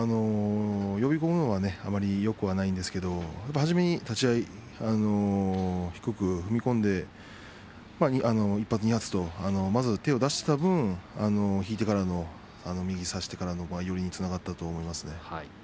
呼び込むのはあまりよくないんですが立ち合い、低く踏み込んで１発２発と、まず手を出した分引いてからの右を差してからの寄りにつながったと思いますね。